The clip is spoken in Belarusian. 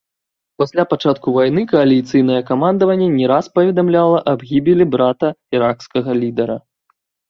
Пасля пачатку вайны кааліцыйнае камандаванне не раз паведамляла аб гібелі брата іракскага лідара.